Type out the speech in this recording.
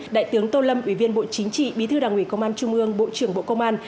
đại tướng tô lâm ủy viên bộ chính trị bí thư đảng ủy công an trung ương bộ trưởng bộ công an